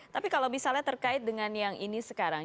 tapi kalau misalnya terkait dengan yang ini sekarang